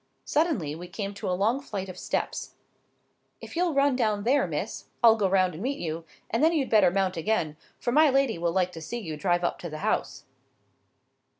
Suddenly we came to a long flight of steps. "If you'll run down there, Miss, I'll go round and meet you, and then you'd better mount again, for my lady will like to see you drive up to the house."